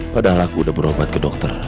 padahal aku udah berobat ke dokter